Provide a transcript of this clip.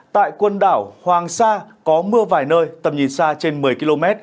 tại quần đảo hoàng sa có mưa vài nơi tầm nhìn xa trên một mươi km